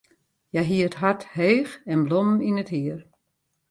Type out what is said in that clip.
Hja hie it hart heech en blommen yn it hier.